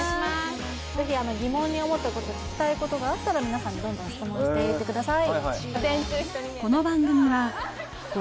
ぜひ疑問に思ったこと聞きたいことがあったら皆さんにどんどん質問していってください